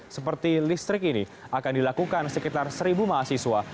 seperti listrik ini akan dilakukan sekitar seribu mahasiswa